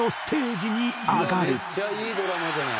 「めっちゃいいドラマじゃない」